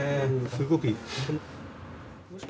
すごくいい。